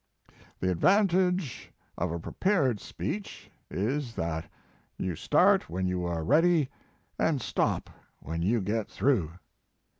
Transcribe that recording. The advantage of a prepared speech is that 3^ou start when you are ready and stop when you get through.